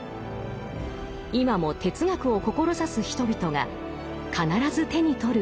今も哲学を志す人々が必ず手に取る一冊です。